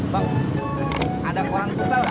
bang ada kurang kusel nggak